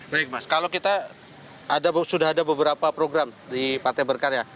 baik mas kalau kita sudah ada beberapa program di partai berkarya